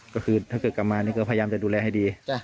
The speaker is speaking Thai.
ก็คือถ้าเกิดกลับมานี่ก็พยายามจะดูแลให้ดี